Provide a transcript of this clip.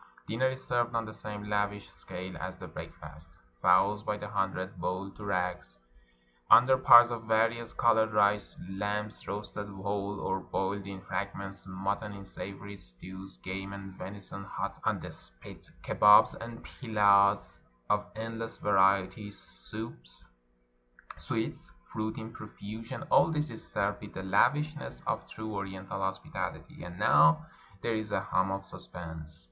Dinner is served on the same lavish scale as the break fast. Fowls by the hundred, boiled to rags, under piles of various colored rice; lambs roasted whole, or boiled in fragments; mutton in savory stews; game and venison hot on' the spit; kababs and pilaws of endless variety; soups, sweets, fruit in profusion: all this is served with the la\ishness of true Oriental hospitaUty. And now there is a hum of suspense.